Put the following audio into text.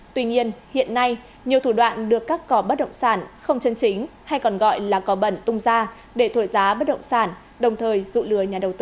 tuy nhiên hiện nay nhiều thủ đoạn được các cò bất động sản không chân chính hay còn gọi là cò bẩn tung ra để thổi giá bất động sản đồng thời dụ lừa nhà đầu tư